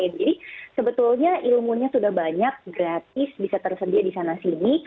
jadi sebetulnya ilmunya sudah banyak gratis bisa tersedia di sana sini